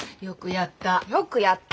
よくやった！